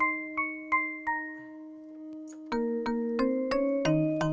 kamu selalu sakit